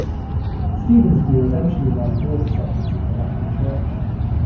Stephen's view eventually won broad acceptance in the Latin Church.